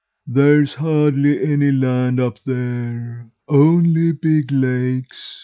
There's hardly any land up there only big lakes.